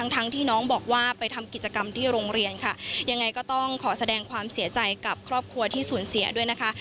ทั้งที่น้องบอกว่าไปทำกิจกรรมที่โรงเรียนค่ะยังไงก็ต้องขอแสดงความเสียใจกับครอบครัวที่สูญเสียด้วยนะคะ